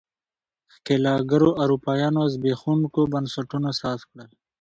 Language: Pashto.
ښکېلاکګرو اروپایانو زبېښونکو بنسټونو ساز کړل.